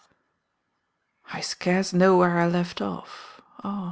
_ I scarce know where I left off Oh!